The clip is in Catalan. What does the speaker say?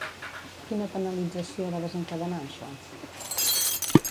Quina penalització va desencadenar això?